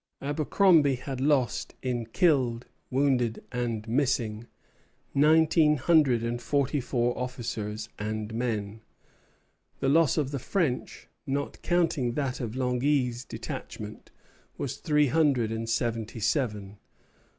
Abercromby had lost in killed, wounded, and missing, nineteen hundred and forty four officers and men. The loss of the French, not counting that of Langy's detachment, was three hundred and seventy seven.